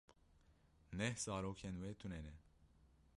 Neh zarokên we tune ne.